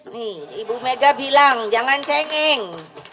nih ibu mega bilang jangan checking